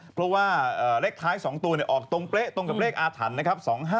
เพราะว่าเลขท้าย๒ตัวออกตรงเป๊ะตรงกับเลขอาถรรพ์นะครับ